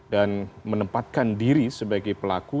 dan menempatkan diri sebagai pelaku